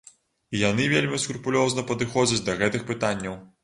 І яны вельмі скрупулёзна падыходзяць да гэтых пытанняў.